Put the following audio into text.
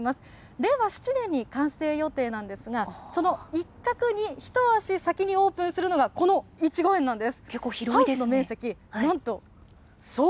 令和７年に完成予定なんですが、その一角に一足先にオープンするのが、このいちご園なんです。